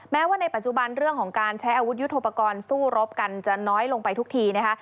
แม้ว่าในปัจจุบันเรื่องของการใช้อาวุธยุทธโปรกรณ์สู้รบกันจะน้อยลงไปทุกทีนะคะ